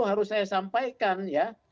harus saya sampaikan ya